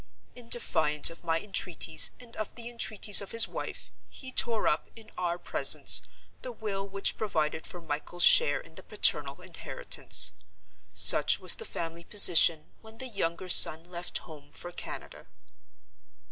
In defiance of my entreaties, and of the entreaties of his wife, he tore up, in our presence, the will which provided for Michael's share in the paternal inheritance. Such was the family position, when the younger son left home for Canada.